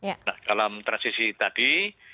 nah dalam transisi tadi